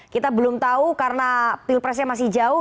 kita belum tahu karena pilpresnya masih jauh